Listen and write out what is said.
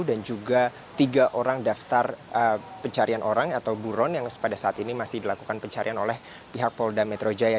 dan juga tiga orang daftar pencarian orang atau buron yang pada saat ini masih dilakukan pencarian oleh pihak polda metro jaya